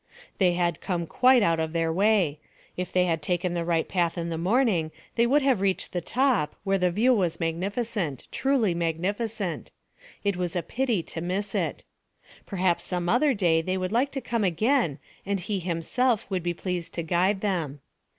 They had come quite out of their way; if they had taken the right path in the morning they would have reached the top, where the view was magnificent truly magnificent. It was a pity to miss it. Perhaps some other day they would like to come again and he himself would be pleased to guide them.